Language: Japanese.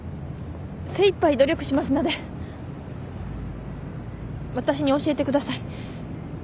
精いっぱい努力しますので私に教えてください。